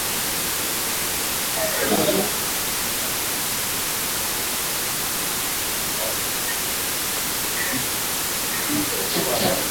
zile zilizoko chini katika orodha ni Korea Kaskazini ikifuatiwa na Eritrea Iran na Turkmenistan